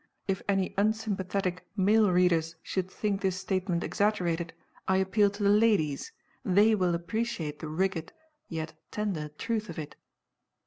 If any unsympathetic male readers should think this statement exaggerated, I appeal to the ladies they will appreciate the rigid, yet tender, truth of it.